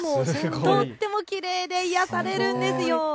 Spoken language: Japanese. とってもきれいで癒やされます。